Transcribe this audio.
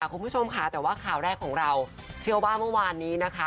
คุณผู้ชมค่ะแต่ว่าข่าวแรกของเราเชื่อว่าเมื่อวานนี้นะคะ